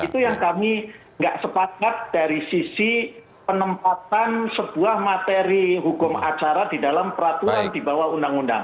itu yang kami nggak sepakat dari sisi penempatan sebuah materi hukum acara di dalam peraturan di bawah undang undang